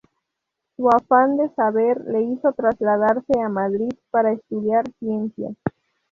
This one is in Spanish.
Su afán de saber le hizo trasladarse a Madrid para estudiar Ciencias.